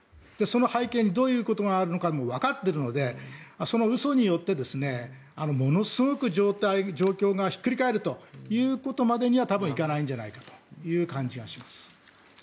その背景にどういうことがあるのかもわかっているのでその嘘によってものすごく状況がひっくり返るということまでには多分、行かないんじゃないかという感じがします。